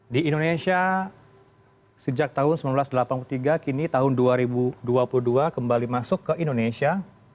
di indonesia sejak tahun seribu sembilan ratus delapan puluh tiga kini tahun dua ribu dua puluh dua kembali masuk ke indonesia